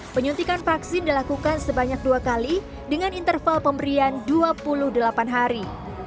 penyuntikan vaksin dilakukan sebanyak dua kali dengan interval pemberian dua puluh delapan hari